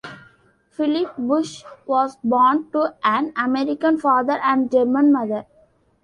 Phillip Bush was born to an American father and German mother.